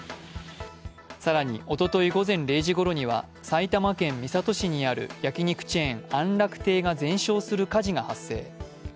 更におととい午前０時ごろには埼玉県三郷市にある焼き肉チェーン、安楽亭が全焼する火事が発生。